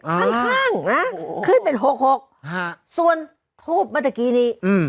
ข้างข้างนะโอ้โหขึ้นเป็นหกหกครับส่วนภูมิมาตะกี้นี้อืม